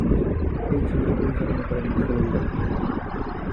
এই ছবিটি পরিচালনা করেন সলিল দত্ত।